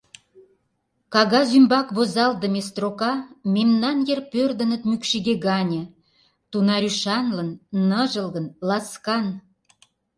Кагаз ӱмбак возалтдыме строка мемнан йыр пӧрдыныт мӱкш иге гане, — тунар ӱшанлын, ныжылгын, ласкан.